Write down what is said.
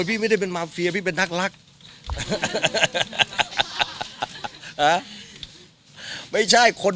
โหพี่ไม่ได้เป็นมาฟิยาพี่เป็นนักรักหอไม่ใช่คน